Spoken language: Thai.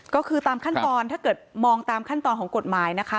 ก็คือตามขั้นตอนถ้าเกิดมองตามขั้นตอนของกฎหมายนะคะ